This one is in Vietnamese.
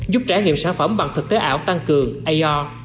giúp trải nghiệm sản phẩm bằng thực tế ảo tăng cường ao